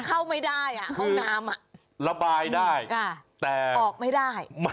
เข้าไม่ได้อ่ะห้องน้ำระบายได้แต่ออกไม่ได้